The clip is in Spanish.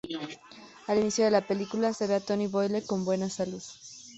Al inicio de la película se ve a Tony Boyle con buena salud.